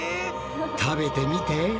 食べてみて。